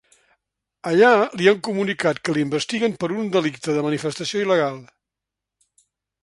Allà, li han comunicat que l’investiguen per un delicte de manifestació il·legal.